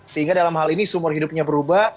sehingga dalam hal ini sumur hidupnya berubah